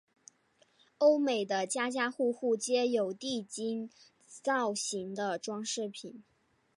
欧美的家家户户皆有地精造型的装饰品。